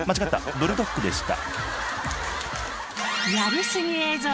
ブルドッグでした。